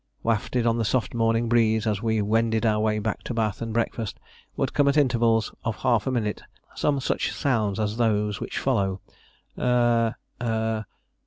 Wafted on the soft morning breeze as we wended our way back to bath and breakfast, would come at intervals of half a minute some such sounds as those which follow: Er ... er